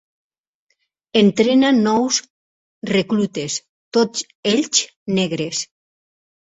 Entrena nous reclutes, tots ells negres.